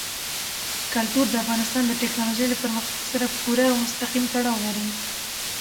کلتور د افغانستان د تکنالوژۍ له پرمختګ سره پوره او مستقیم تړاو لري.